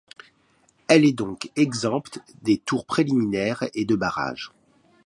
Elle est donc exempte des tours préliminaires et de barrages.